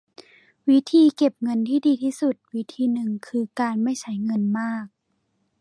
วิธีเก็บเงินที่ดีที่สุดวิธีนึงคือการไม่ใช่เงินมาก